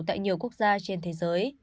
tại nhiều quốc gia trên thế giới